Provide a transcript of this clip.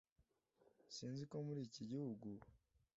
si nzi ko muri iki gihugu